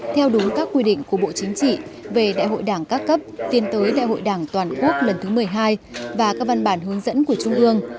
theo đúng các quy định của bộ chính trị về đại hội đảng các cấp tiến tới đại hội đảng toàn quốc lần thứ một mươi hai và các văn bản hướng dẫn của trung ương